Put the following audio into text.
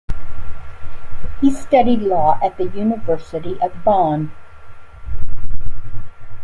He studied law at the University of Bonn.